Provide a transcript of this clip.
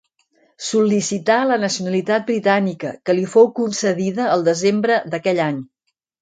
Sol·licità la nacionalitat britànica, que li fou concedida el desembre d'aquell any.